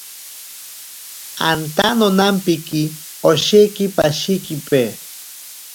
Anta nonampiki osheki pashikipe.